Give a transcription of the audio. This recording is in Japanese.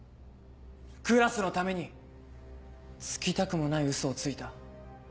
クラスのためにつきたくもないウソをついた。